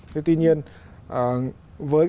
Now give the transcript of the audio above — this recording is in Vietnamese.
tuy nhiên với